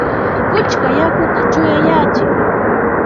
¡Puchka yakuta chuyayachiy!